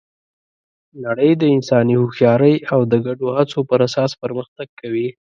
نړۍ د انساني هوښیارۍ او د ګډو هڅو پر اساس پرمختګ کوي.